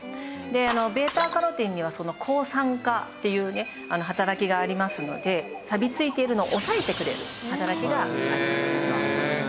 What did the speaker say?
β−カロテンにはその抗酸化っていうね働きがありますのでさびついているのを抑えてくれる働きがあります。